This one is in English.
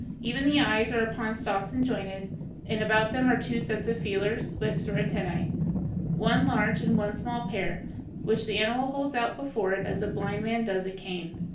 Even the eyes are upon stalks and jointed, and about them are two sets of feelers, whips, or antennæ one large and one small pair which the animal holds out before it as a blind man does a cane.